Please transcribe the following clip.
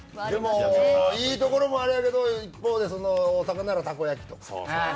いいところもあるけど、一方で大阪ならたこ焼きと。